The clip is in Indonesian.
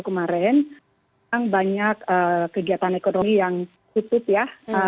kemarin banyak kegiatan ekonomi yang tutup ya